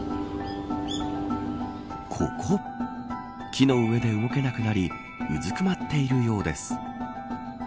木の上で動けなくなりうずくまっているようです。